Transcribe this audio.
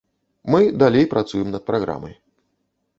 Мы далей працуем над праграмай.